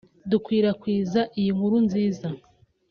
dukwirakwiza iyi nkuru nziza